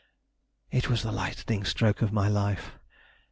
It was the lightning stroke of my life.